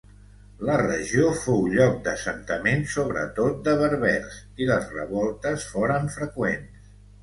La regió fou lloc d'assentament sobretot de berbers i les revoltes foren freqüents.